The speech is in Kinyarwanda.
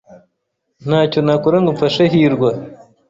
Ntacyo nakora ngo mfashe hirwa.